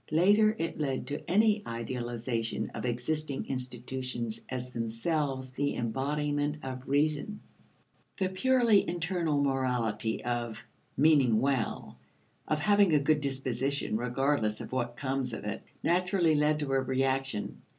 Later it led to any idealization of existing institutions as themselves the embodiment of reason. The purely internal morality of "meaning well," of having a good disposition regardless of what comes of it, naturally led to a reaction.